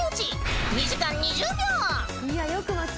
［２時間２０秒］